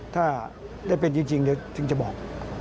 ถ้าได้เป็นจริงเดี๋ยวถึงจะบอก